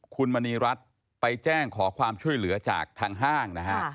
คุณมณีรัฐไปแจ้งขอความช่วยเหลือจากทางห้างนะฮะ